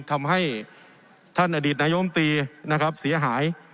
ทำให้ท่านอดีตนายมตรีนะครับเสียหาย